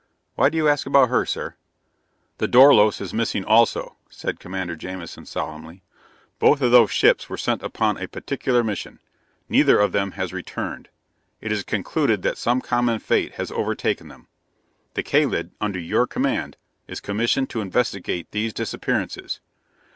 Why do you ask about her, sir?" "The Dorlos is missing also," said Commander Jamison solemnly. "Both of these ships were sent upon a particular mission. Neither of them has returned. It is concluded that some common fate has overtaken them. The Kalid, under your command, is commissioned to investigate these disappearances.